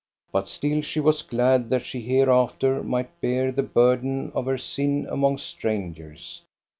But still she was glad that she hereafter might bear the burden of her sin among strangers.